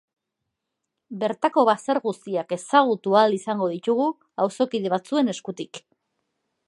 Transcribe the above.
Bertako bazter guztiak ezagutu ahal izango ditugu auzokide batzuen eskutik.